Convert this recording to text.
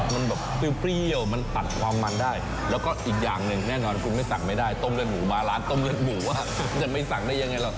มันแบบเปรี้ยวมันตัดความมันได้แล้วก็อีกอย่างหนึ่งแน่นอนคุณไม่สั่งไม่ได้ต้มเลือดหมูมาร้านต้มเลือดหมูอ่ะจะไม่สั่งได้ยังไงหรอก